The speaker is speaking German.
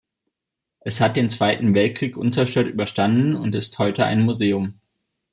Es hat den Zweiten Weltkrieg unzerstört überstanden und ist heute ein Museum.